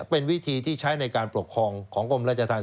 เป็นวิธีที่ใช้ในการปกครองของกรมราชธรรม